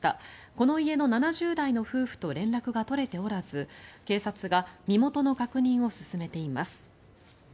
この家の７０代の夫婦と連絡が取れておらず警察が身元の確認を進めています。